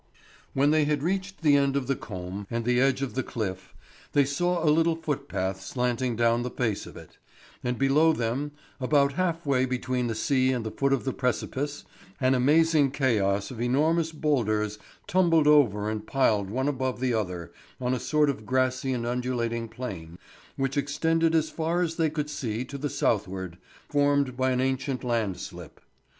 When they had reached the end of the comb and the edge of the cliff, they saw a little footpath slanting down the face of it; and below them, about half way between the sea and the foot of the precipice, an amazing chaos of enormous boulders tumbled over and piled one above the other on a sort of grassy and undulating plain which extended as far as they could see to the southward, formed by an ancient landslip.